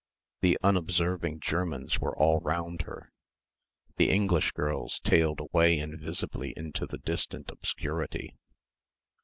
The unobserving Germans were all round her, the English girls tailed away invisibly into the distant obscurity.